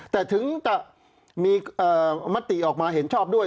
แต่ถึงจะมีมติออกมาเห็นชอบด้วย